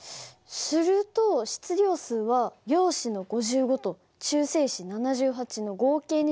すると質量数は陽子の５５と中性子７８の合計になるんだから１３３？